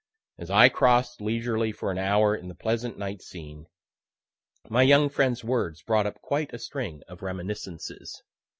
As I cross'd leisurely for an hour in the pleasant night scene, my young friend's words brought up quite a string of reminiscences.